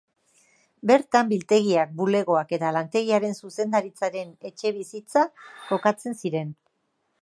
Bertan biltegiak, bulegoak eta lantegiaren zuzendaritzaren etxebizitza kokatzen ziren.